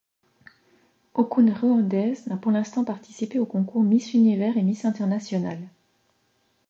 Aucune rwandaise n'a pour l'instant participer aux concours Miss Univers et Miss International.